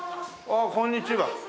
あっこんにちは。